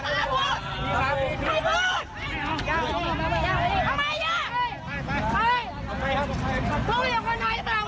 มันแล้วก็มีอย่าเพิ่มใจเย็นก่อน